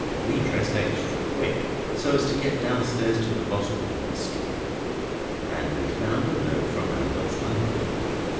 We dressed extra quick, so as to get downstairs to the bottom of the mystery. And we found a note from Albert's uncle.